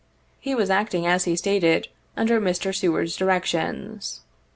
He was acting, as he stated, under Mr. Seward's directions.